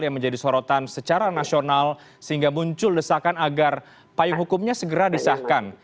yang menjadi sorotan secara nasional sehingga muncul desakan agar payung hukumnya segera disahkan